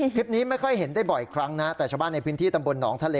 คลิปนี้ไม่ค่อยเห็นได้บ่อยครั้งนะแต่ชาวบ้านในพื้นที่ตำบลหนองทะเล